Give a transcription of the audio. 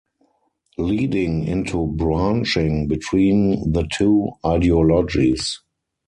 Leading into branching between the two ideologies.